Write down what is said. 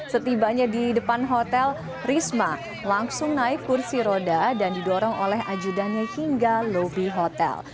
setibanya di depan hotel risma langsung naik kursi roda dan didorong oleh ajudannya hingga lobi hotel